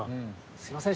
すいません。